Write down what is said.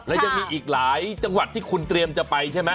และยังมีอีกหลายจังหวัดที่คุณเตรียมจะไปใช่ไหม